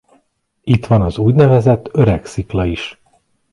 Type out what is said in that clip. Itt van az úgynevezett Öreg-szikla is.